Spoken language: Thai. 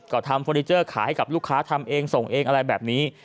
ก็ทำเฟอร์นิเจอร์ขายให้กับลูกค้าทำเองส่งเองอะไรแบบนี้